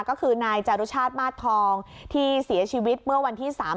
ก็คือนายจารุชาติมาสทองที่เสียชีวิตเมื่อวันที่๓๐